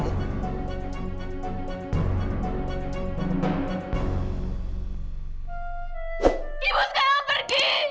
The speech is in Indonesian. ibu sekarang mau pergi